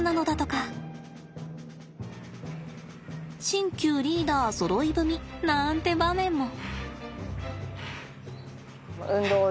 新旧リーダーそろい踏みなんて場面も。